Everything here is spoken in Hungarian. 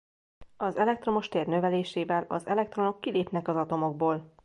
Az elektromos tér növelésével az elektronok kilépnek az atomokból.